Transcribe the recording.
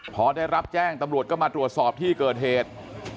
พอได้รับแจ้งตำรวจก็มาตรวจสอบที่เกิดเหตุ